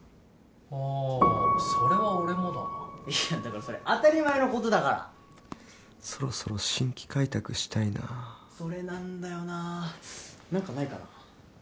あぁそれは俺もだないやだからそれ当たり前のことだからそろそろ新規開拓したいなぁそれなんだよな何かないかな？